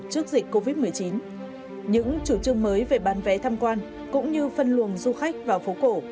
trước dịch covid một mươi chín những chủ trương mới về bán vé tham quan cũng như phân luồng du khách vào phố cổ